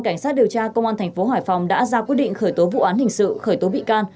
cảnh sát điều tra công an thành phố hải phòng đã ra quyết định khởi tố vụ án hình sự khởi tố bị can